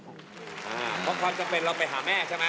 เพราะความจำเป็นเราไปหาแม่ใช่ไหม